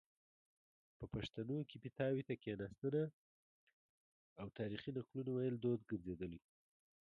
په پښتانو کې پیتاوي ته کیناستنه او تاریخي نقلونو ویل دود ګرځیدلی